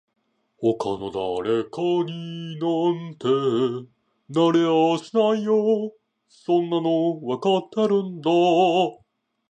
他の誰かになんてなれやしないよそんなのわかってるんだ